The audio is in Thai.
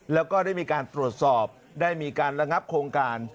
แล้วก็ได้มีการตรวจสอบได้มีการระงับโครงการ